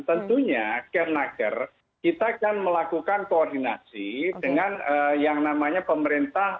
tentunya care naker kita akan melakukan koordinasi dengan yang namanya pemerintah